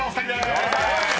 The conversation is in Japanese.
お願いします！